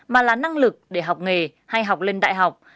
mà là năng lực để học nghề hay học lên đại học